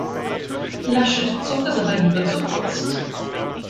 Laschet zog es aber lieber zur Kunst.